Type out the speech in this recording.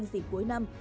dịp cuối năm